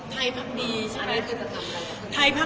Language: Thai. ไทยภักดีใช่ไหม